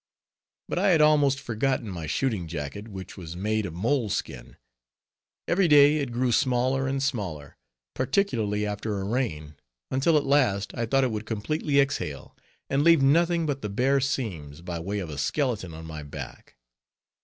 But I had almost forgotten my shooting jacket, which was made of moleskin. Every day, it grew smaller and smaller, particularly after a rain, until at last I thought it would completely exhale, and leave nothing but the bare seams, by way of a skeleton, on my back.